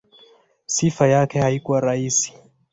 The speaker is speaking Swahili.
Sifa yake haikuwa nzuri.